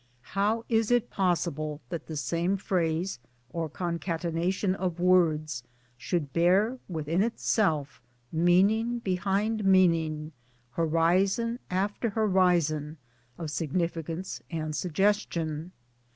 How is it possible that the same phrase or concatenation of words should bear within itself meaning behind meaning, horizon after horizon of significance and suggestion?